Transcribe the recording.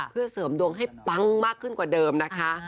เพื่อเสริมดวงให้ปั๊งมากขึ้นกว่าเดิมนะคะ